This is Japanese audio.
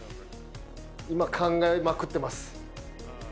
今考えまくってます。